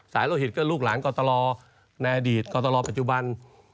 สายโลหิตก็ลูกหลังกฎรในอดีตกฎรปัจจุบัน